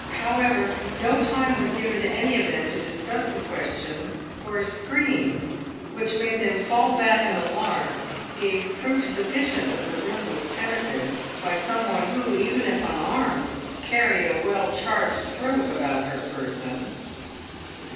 However, no time was given to any of them to discuss the question, for a scream, which made them fall back in alarm, gave proof sufficient that the room was tenanted by some' one who, even if unarmed, carried a well charged throat about her person.